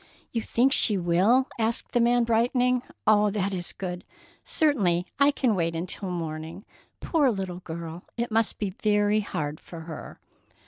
"You think she will?" asked the young man, brightening. "Oh, that is good! Certainly I can wait until morning. Poor little girl, it must be very hard for her!"